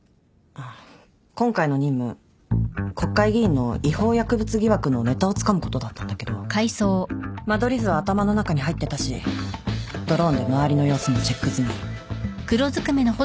今回の任務国会議員の違法薬物疑惑のネタをつかむことだったんだけど間取り図は頭の中に入ってたしドローンで周りの様子もチェック済み。